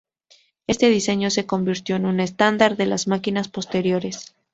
Este diseño se convirtió en un estándar de las máquinas posteriores.